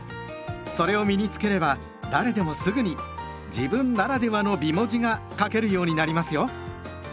それを身に付ければ誰でもすぐに「自分ならではの美文字」が書けるようになりますよ。